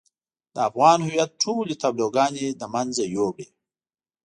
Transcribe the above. د افغان هويت ټولې تابلوګانې له منځه يوړې.